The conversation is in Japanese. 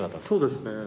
そうですね。